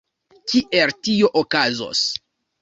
Kiel tio okazos?